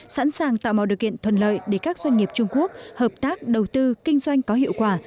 sẵn sàng tạo mọi điều kiện thuận lợi để các doanh nghiệp trung quốc hợp tác đầu tư kinh doanh có hiệu quả